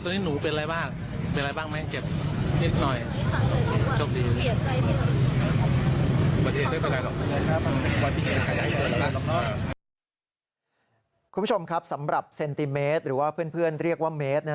คุณผู้ชมครับสำหรับเซนติเมตรหรือว่าเพื่อนเรียกว่าเมตร